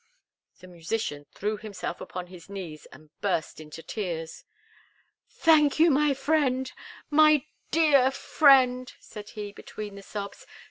The musician threw himself upon his knees and burst into tears. "Thank you, my friend! my dear friend!" said he, between the sobs.